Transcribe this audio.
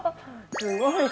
すごい。